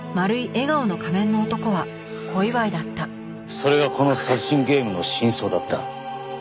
それがこの殺人ゲームの真相だった。